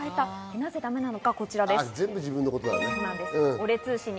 なぜダメなのか、こちらです。